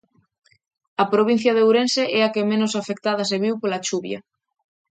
A provincia de Ourense é a que menos afectada se viu pola chuvia.